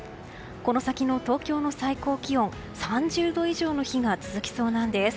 この先の東京の最高気温３０度以上の日が続きそうなんです。